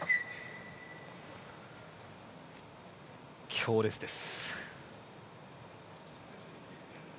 強烈です。